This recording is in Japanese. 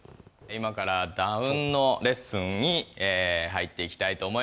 「今からダウンのレッスンに入っていきたいと思います」